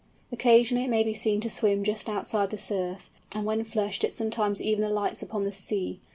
Occasionally it may be seen to swim just outside the surf, and when flushed it sometimes even alights upon the sea.